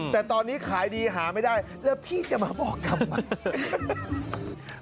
แต่ตอนนี้ขายดีหาไม่ได้แล้วพี่จะมาบอกกลับมา